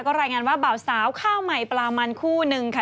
รายงานว่าบ่าวสาวข้าวใหม่ปลามันคู่นึงค่ะ